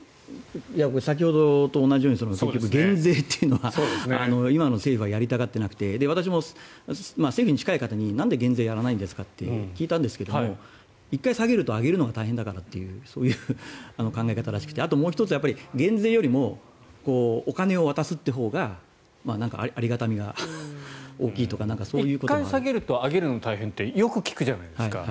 先ほどと同じように減税というのが今の政府はやりたがってなくて私も政府に近い方になんで減税やらないんですかって聞いたんですが１回下げると上げるのが大変だからというそういう考え方らしくてあともう１つ、減税よりもお金を渡すっていうほうがありがたみが大きいとか１回下げると上げるの大変ってよく聞くじゃないですか。